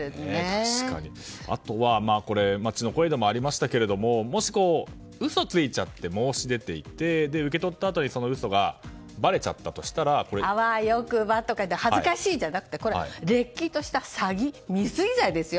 あとは街の声でもありましたが嘘ついちゃって申し出ていて、受け取ったあとに嘘がばれたとしたらあわよくばとか恥ずかしいじゃなくてれっきとした詐欺未遂罪ですよ。